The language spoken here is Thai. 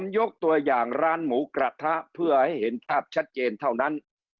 ยกตัวอย่างร้านหมูกระทะเพื่อให้เห็นภาพชัดเจนเท่านั้น